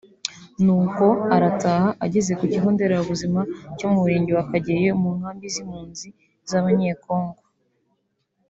ni uko arataha ageze ku kigo nderabuzima cyo mu murenge wa Kageyo mu nkambi y’impunzi z’Abanyekongo